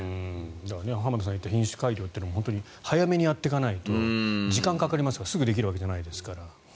だから浜田さんが言った品種改良も早めにやっていかないと時間がかかりますからすぐにできるわけじゃないですから。